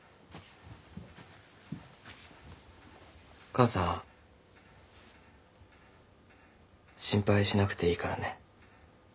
母さん心配しなくていいからね。